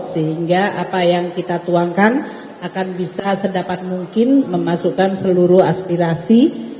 sehingga apa yang kita tuangkan akan bisa sedapat mungkin memasukkan seluruh aspirasi